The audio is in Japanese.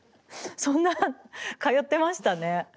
そんな通ってましたね。